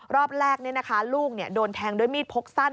รอบแรกลูกโดนแทงด้วยมีดพกสั้น